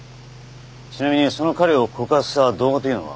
ちなみにその彼を告発した動画というのは？